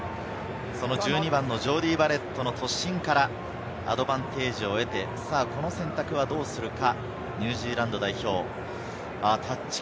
ジョーディー・バレットの突進からアドバンテージを得て、この選択は、どうするか？